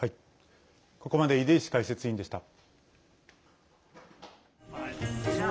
ここまで出石解説員でした。